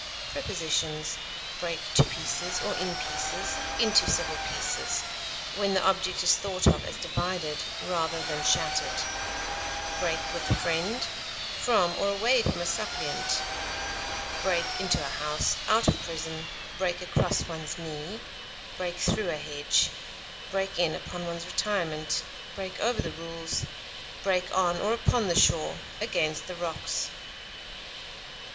Prepositions: Break to pieces, or in pieces, into several pieces (when the object is thought of as divided rather than shattered); break with a friend; from or away from a suppliant; break into a house; out of prison; break across one's knee; break through a hedge; break in upon one's retirement; break over the rules; break on or upon the shore, against the rocks.